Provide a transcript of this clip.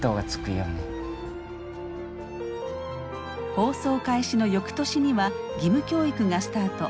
放送開始の翌年には義務教育がスタート。